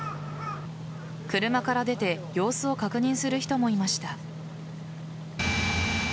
車から出て様子を確認する人もいました。